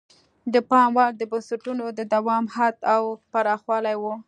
د پام وړ د بنسټونو د دوام حد او پراخوالی وو.